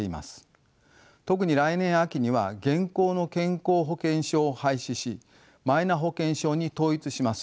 特に来年秋には現行の健康保険証を廃止しマイナ保険証に統一します。